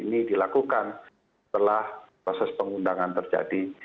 jadi ini dilakukan setelah proses pengundangan terjadi